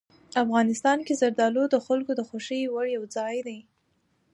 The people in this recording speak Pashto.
افغانستان کې زردالو د خلکو د خوښې وړ یو ځای دی.